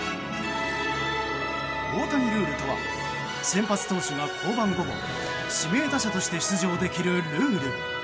大谷ルールとは先発投手が降板後も指名打者として出場できるルール。